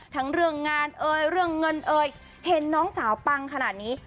ทั้งเรื่องงานเอ่ยเรื่องเงินเอ่ยเห็นน้องสาวปังขนาดนี้